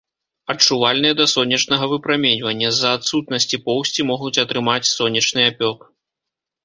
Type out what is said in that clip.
Адчувальныя да сонечнага выпраменьвання, з-за адсутнасці поўсці могуць атрымаць сонечны апёк.